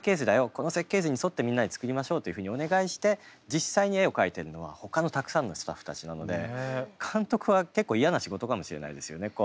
この設計図に沿ってみんなで作りましょうというふうにお願いして実際に絵を描いてるのはほかのたくさんのスタッフたちなので監督は結構嫌な仕事かもしれないですよね。